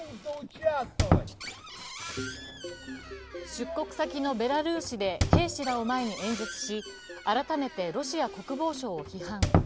出国先のベラルーシで兵士らを前に演説し改めてロシア国防省を批判。